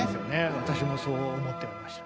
私もそう思っておりました。